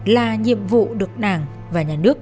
là nhiệm vụ được đảng và nhà nước